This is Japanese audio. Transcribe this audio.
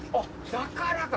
だからか。